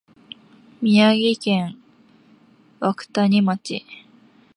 宮城県涌谷町